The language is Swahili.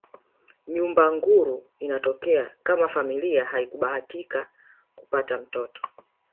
Nyumba nguru inatokea kama familia haikubahatika kupata mtoto